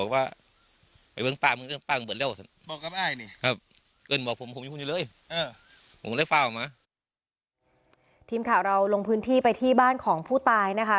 ทีมข่าวเราลงพื้นที่ไปที่บ้านของผู้ตายนะคะ